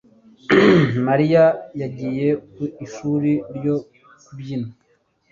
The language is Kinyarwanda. Mariya yagiye ku ishuri ryo kubyina